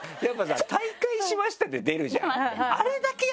「退会しました」って出るじゃん。